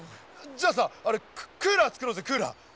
じゃあさクーラーつくろうぜクーラー。